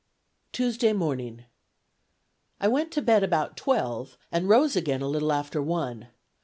"Tuesday morning. I went to bed about twelve, and rose again a little after one.